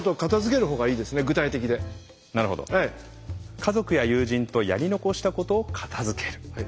「家族や友人とやり残したことを片づける」。